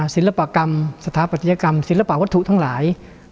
ศิลปกรรมสถาปัตยกรรมศิลปะวัตถุทั้งหลาย